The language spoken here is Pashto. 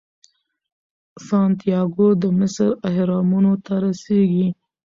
سانتیاګو د مصر اهرامونو ته رسیږي.